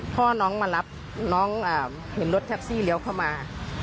พ่อน้องมารับน้องเห็นรถแท็กซี่เลี้ยวเข้ามา